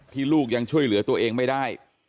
ลูกยังช่วยเหลือตัวเองไม่ได้